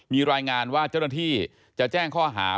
มีรายงานว่าเจ้าหน้าที่จะแจ้งข้อหา